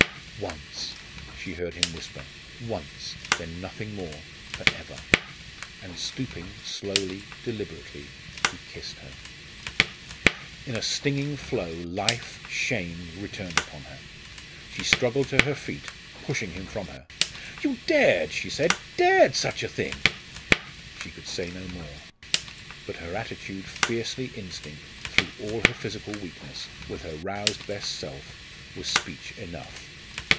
"Once!" she heard him whisper. "Once! Then nothing more for ever." And stooping, slowly, deliberately, he kissed her. In a stinging flow, life, shame, returned upon her. She struggled to her feet, pushing him from her. "You dared," she said, "dared such a thing!" She could say no more; but her attitude, fiercely instinct, through all her physical weakness, with her roused best self, was speech enough.